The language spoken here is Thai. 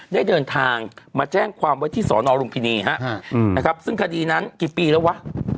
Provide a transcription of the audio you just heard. ได้เดินทางมาแจ้งความไว้ที่สอนอลุมพินีฮะนะครับซึ่งคดีนั้นกี่ปีแล้ววะ